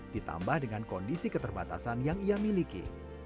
ditambah dengan kondisi keterbatasan yang ia miliki